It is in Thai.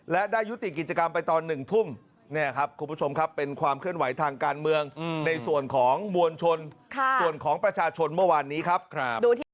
และได้ยุติกิจกรรมไปตอน๑ทุ่มเนี่ยครับคุณผู้ชมครับเป็นความเคลื่อนไหวทางการเมืองในส่วนของมวลชนส่วนของประชาชนเมื่อวานนี้ครับ